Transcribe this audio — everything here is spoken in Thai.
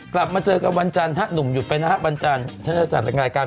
กลับมาเจอกันวันจันทร์หัทหนุ่มหยุดไปนะฮะวันจันทร์